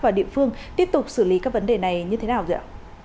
và địa phương tiếp tục xử lý các vấn đề này như thế nào dạ